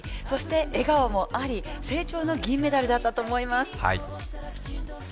そして笑顔もあり、成長の銀メダルだったと思います。